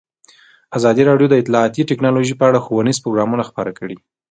ازادي راډیو د اطلاعاتی تکنالوژي په اړه ښوونیز پروګرامونه خپاره کړي.